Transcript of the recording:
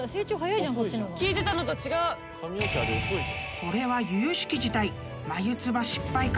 ［これは由々しき事態］